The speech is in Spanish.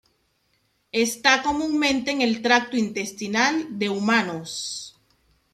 Está comúnmente en el tracto intestinal de humanos.